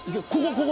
ここ！